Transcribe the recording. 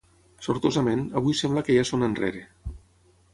Sortosament, avui sembla que ja són enrere.